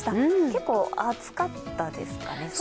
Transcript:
結構暑かったですかね。